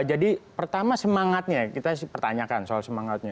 jadi pertama semangatnya kita pertanyakan soal semangatnya